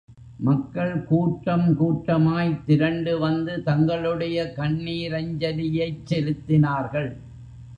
மக்கள் கூட்டம் கூட்டமாய் திரண்டு வந்து தங்களுடைய கண்ணீரஞ்சலியைச் செலுத்தினார்கள்.